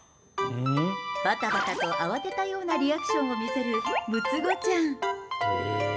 ばたばたと慌てたようなリアクションを見せる、むつごちゃん。